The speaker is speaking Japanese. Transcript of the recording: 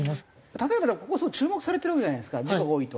例えばここすごい注目されてるわけじゃないですか事故が多いと。